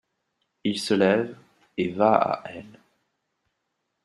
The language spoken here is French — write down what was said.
Il se lève et va à elle.